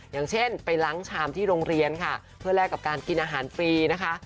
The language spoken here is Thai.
อย่างเช่นไปล้างชามที่โรงเรียนค่ะเพื่อแลกกับการกินอาหารฟรีนะคะ